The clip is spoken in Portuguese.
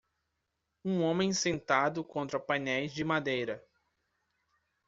Um homem sentado contra painéis de madeira.